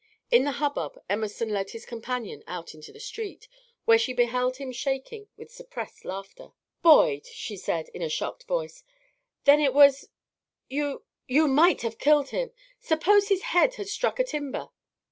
In the hubbub Emerson led his companion out into the street, where she beheld him shaking with suppressed laughter. "Boyd," she cried, in a shocked voice, "then it was you you might have killed him! Suppose his head had struck a timber!"